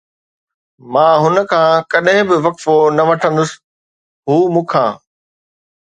مان هن کان ڪڏهن به وقفو نه وٺندس، هو مون کان